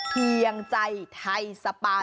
เพียงใจไทยสปา